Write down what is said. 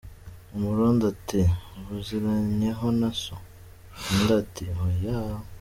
Umurundi, ati “Ubiziranyeho na so ?” Undi, ati “Oya” .